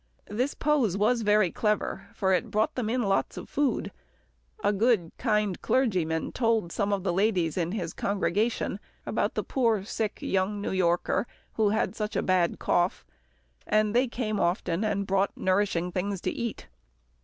This pose was very clever, for it brought them in lots of food. A good, kind clergyman told some of the ladies in his congregation about the poor, sick, young New Yorker who had such a bad cough, and they came often and brought nourishing things to eat.